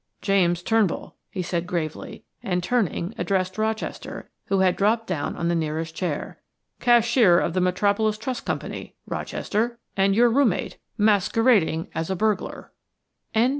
"James Turnbull," he said gravely, and turning, addressed Rochester, who had dropped down on the nearest chair. "Cashier of the Metropolis Trust Company, Rochester, and your roommate, masquerading as a burglar." CHAPTER II.